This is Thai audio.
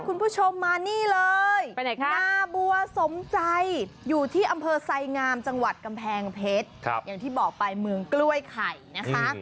คุณผู้ชมมานี่เลยนาบัวสมใจอยู่ที่อำเภอไซงามจังหวัดกำแพงเพชรอย่างที่บอกไปเมืองกล้วยไข่นะคะ